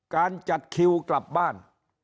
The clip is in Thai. การจัดคิวกลับบ้าน